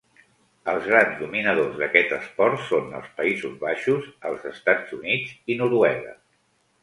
Els grans dominadors d'aquest esport són els Països Baixos, els Estats Units i Noruega.